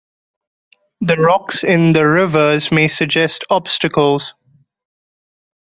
The rocks in the "rivers" may suggest obstacles.